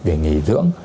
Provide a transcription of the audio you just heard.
về nghỉ dưỡng